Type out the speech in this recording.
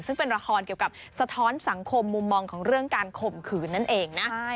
ซึ่งเป็นละครเกี่ยวกับสะท้อนสังคมมุมมองของเรื่องการข่มขืนนั่นเองนะ